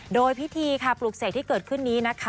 โดยพิธีค่ะปลูกเสกที่เกิดขึ้นนี้นะคะ